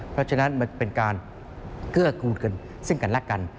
เพราะฉะนั้นมันเป็นการเกื้อกูลกันซึ่งกันและกัน